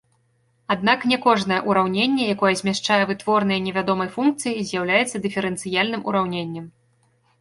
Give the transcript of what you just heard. Аднак не кожнае ўраўненне, якое змяшчае вытворныя невядомай функцыі, з'яўляецца дыферэнцыяльным ураўненнем.